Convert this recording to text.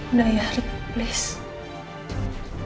udah ya please